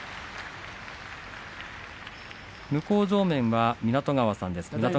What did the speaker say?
向正面は湊川さんです。